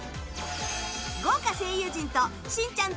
豪華声優陣としんちゃん